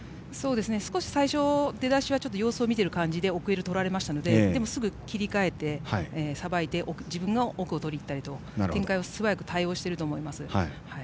少し最初、出だしは様子を見ている感じで奥襟をとられましたのででも、すぐ切り替えてさばいて自分が奥をとりにいったりと展開に素早く対応していると思います。